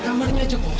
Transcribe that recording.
kamarnya aja kosong